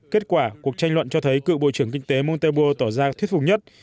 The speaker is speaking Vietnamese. kết quả cuộc tranh luận cho thấy cựu bộ trưởng kinh tế montebo tỏ ra thuyết phục nhất